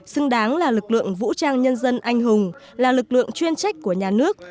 xứng đáng là lực lượng vũ trang nhân dân anh hùng là lực lượng chuyên trách của nhà nước